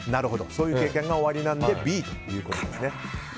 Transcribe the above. そういう経験がおありなのでＢということですね。